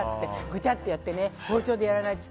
ぐちゃってやって包丁でやらないって。